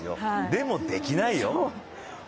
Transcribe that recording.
でも、できないよ。